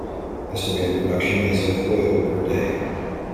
Estimated production is of oil per day.